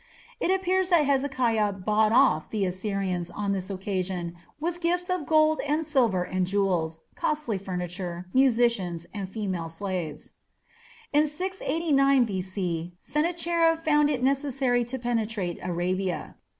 It appears that Hezekiah "bought off" the Assyrians on this occasion with gifts of gold and silver and jewels, costly furniture, musicians, and female slaves. In 689 B.C. Sennacherib found it necessary to penetrate Arabia.